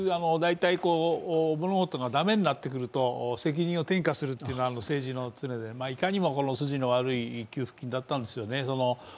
物事がだめになってくると、責任を転嫁するというのは政治の常で、いかにも筋の悪い給付金だったんでしょうね。